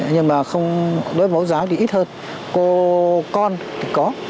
nhưng mà không đối với mẫu giáo thì ít hơn cô con thì có